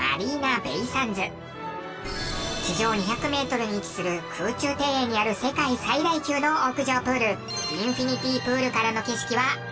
地上２００メートルに位置する空中庭園にある世界最大級の屋上プールインフィニティ・プールからの景色は圧巻。